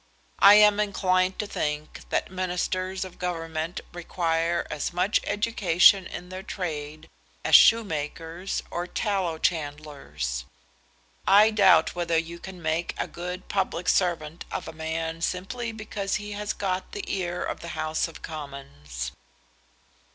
I am inclined to think that Ministers of Government require almost as much education in their trade as shoemakers or tallow chandlers. I doubt whether you can make a good public servant of a man simply because he has got the ear of the House of Commons."